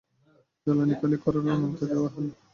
জ্বালানি খালি করার অনুমতি দেওয়া হলো।